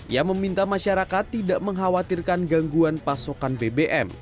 ia meminta masyarakat tidak mengkhawatirkan gangguan pasokan bbm